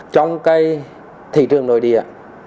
trong thị trường nội địa